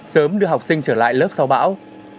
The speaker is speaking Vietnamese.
sớm đưa học sinh trở lại lớp sau bão